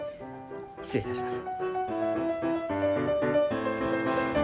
失礼いたします。